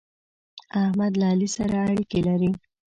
احمد له علي سره اړېکې لري.